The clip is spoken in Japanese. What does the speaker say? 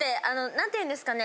なんて言うんですかね。